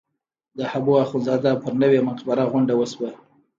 د حبواخندزاده پر نوې مقبره غونډه وشوه.